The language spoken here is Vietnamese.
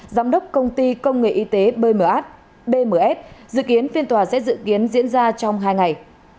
giám đốc công ty công nghệ y tế bmh bms dự kiến phiên tòa sẽ dự kiến diễn ra trong hai ngày